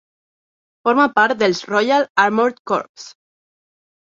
Forma part dels Royal Armoured Corps.